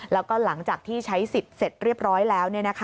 แล้วก็หลังจากที่ใช้สิทธิ์เสร็จเรียบร้อยแล้ว